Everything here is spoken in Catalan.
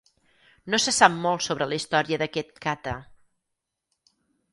No se sap molt sobre la història d'aquest "kata".